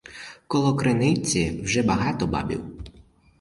Коло криниці вже багато бабів.